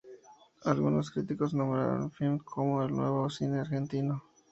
Algunos críticos nombraron el film como "el nuevo cine argentino".